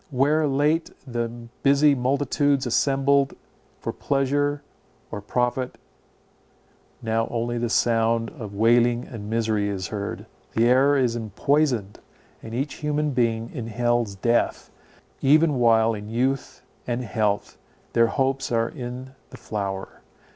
Where late the busy multitudes assembled for pleasure or profit, now only the sound of wailing and misery is heard. The air is empoisoned, and each human being inhales death, even while in youth and health, their hopes are in the flower.